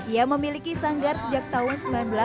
ia memiliki sanggar sejak tahun seribu sembilan ratus delapan puluh